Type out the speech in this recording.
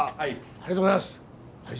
ありがとうございます！